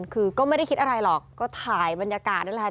คือก็ไม่ได้คิดอะไรหรอกก็ถ่ายบรรยากาศนั่นแหละ